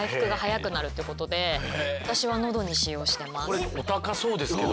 これお高そうですけど。